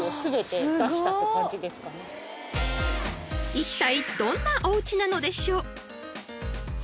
［いったいどんなおうちなのでしょう？］